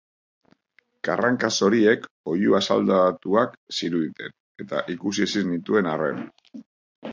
Karranka zoriek oihu asaldatuak ziruditen, eta ikusi ezin nituen arren.